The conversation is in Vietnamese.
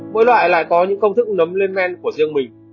mỗi loại lại có những công thức nấm lên men của riêng mình